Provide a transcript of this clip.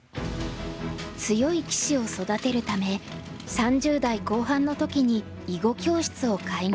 強い棋士を育てるため３０代後半の時に囲碁教室を開業。